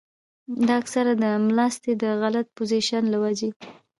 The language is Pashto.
دا اکثر د ملاستې د غلط پوزيشن له وجې